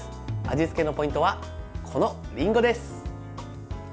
味付けのポイントはこのりんごです。